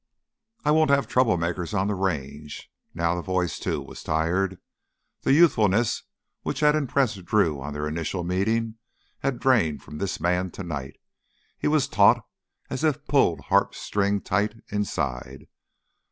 "I won't have troublemakers on the Range." Now the voice, too, was tired. The youthfulness which had impressed Drew on their initial meeting had drained from this man tonight. He was taut as if pulled harp string tight inside.